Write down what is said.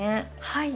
はい。